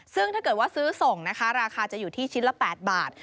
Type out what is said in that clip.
ซึ่งถ้าเกิดว่าซื้อส่งนะคะราคาจะอยู่ที่ชิ้นละ๘บาท